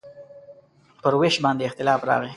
پر وېش باندې اختلاف راغی.